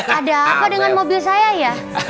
ada apa dengan mobil saya ya